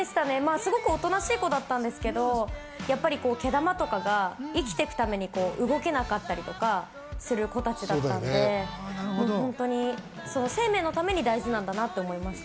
すごくおとなしいコだったんですけど毛玉とかが生きていくために動けなくなるような子たちだったので、生命のために大事なんだなと思いました。